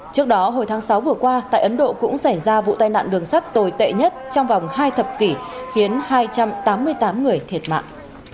trước đó hồi tháng sáu vừa qua tại ấn độ cũng xảy ra vụ tai nạn đường sắt tồi tệ nhất trong vòng hai thập kỷ khiến hai trăm tám mươi tám người thiệt mạng